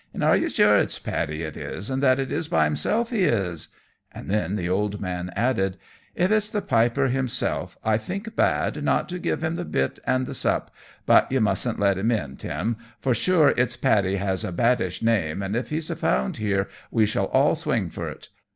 "And are ye sure it's Paddy it is, and that it is by himself he is?" And then the old man added "If it's the Piper himself, I think bad not to give him the bit and the sup; but ye mustn't let him in, Tim, for sure it's Paddy has a baddish name, and if he's found here we shall all swing for't.